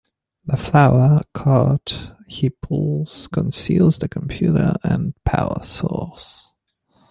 The flower cart he pulls conceals the computer and power source.